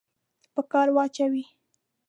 په کار واچوي.